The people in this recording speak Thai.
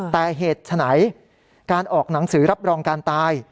แต่เหตุฉะไหนการออกหนังสือรับรองการตาย